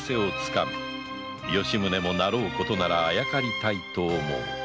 吉宗もなろうことならあやかりたいと思う